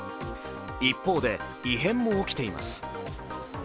一方で異変も起きています。